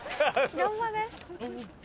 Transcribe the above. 頑張れ。